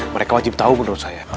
mereka wajib tahu menurut saya